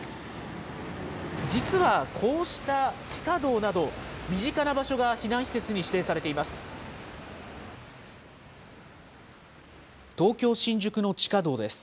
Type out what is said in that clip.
実は、こうした地下道など、身近な場所が避難施設に指定されています。